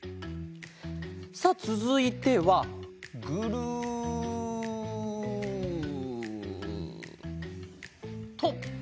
さあつづいてはグルッと。